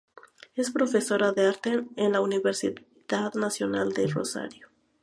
Es profesora de arte en la Universidad Nacional de Rosario.